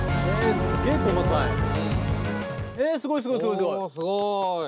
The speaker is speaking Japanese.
おすごい！